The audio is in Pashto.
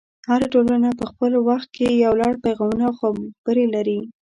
هره ټولنه په خپل وخت کې یو لړ پیغامونه او خبرې لري.